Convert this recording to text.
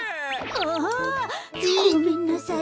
あ！ごめんなさい。